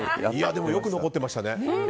でもよく残ってましたね。